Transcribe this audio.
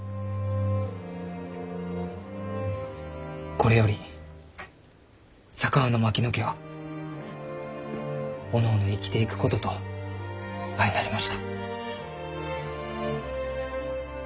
これより佐川の槙野家はおのおの生きていくことと相成りました。